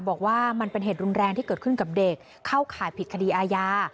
บอกว่ามันเป็นเหตุรุนแรงที่เกิดขึ้นกับเด็กเข้าข่ายผิดคดีอาญา